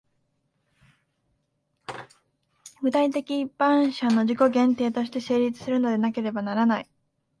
具体的一般者の自己限定として成立するのでなければならない。